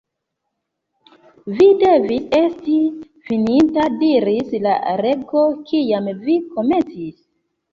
"Vi devis esti fininta," diris la Rego, "Kiam vi komencis?"